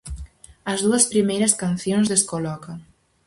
As dúas primeiras cancións descolocan.